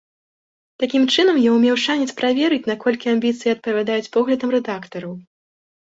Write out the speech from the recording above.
Такім чынам ён меў шанец праверыць, наколькі амбіцыі адпавядаюць поглядам рэдактараў.